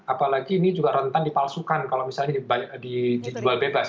apalagi ini juga rentan dipalsukan kalau misalnya dijual bebas